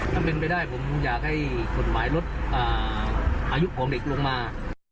ถ้าเป็นไปได้ผมอยากให้กฎหมายลดอายุของเด็กลงมา